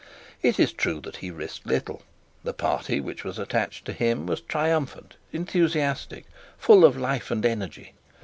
It is true that he risked little. The party which was attached to him was triumphant, enthusiastic, full of life and energy.